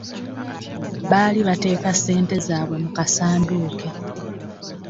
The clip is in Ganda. Baali bateeka ssente zabwe mukasandduke.